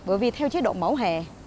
bởi vì theo chế độ mẫu hệ